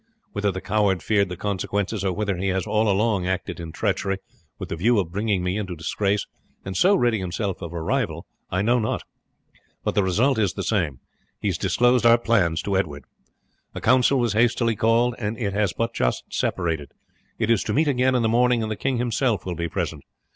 Whether the coward feared the consequences, or whether he has all along acted in treachery with the view of bringing me into disgrace, and so ridding himself of a rival, I know not; but the result is the same, he has disclosed our plans to Edward. A council was hastily called, and it has but just separated. It is to meet again in the morning, and the king himself will be present.